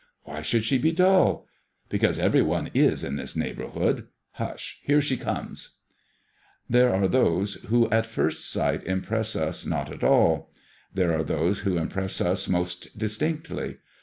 *' Why should she be dull ?''Because every one is in this neighbourhood. Hush I here she comes/' There are those who at first sight impress us not at all : there are those who impress us most distinctly.